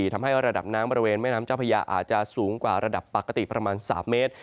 ทำให้ระดับน้ำบริเวณแม่น้ำเจ้าพญาอาจจะสูงกว่าระดับปกติประมาณ๓เมตร